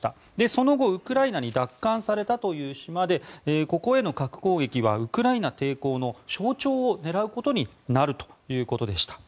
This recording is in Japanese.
その後、ウクライナに奪還されたという島でここへの核攻撃はウクライナ抵抗の象徴を狙うことになるということでした。